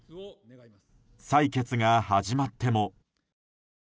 採決が始まっても。